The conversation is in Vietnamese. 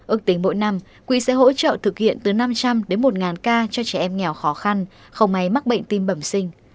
ước tính mỗi năm quỹ sẽ hỗ trợ thực hiện từ năm trăm linh đến một ca cho trẻ em nghèo khó khăn không may mắc bệnh tim bẩm sinh